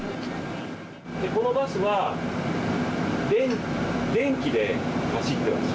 このバスは電気で走っています。